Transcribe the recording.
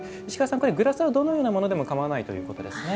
グラスはどのようなものでもかまわないということですね。